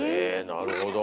なるほど。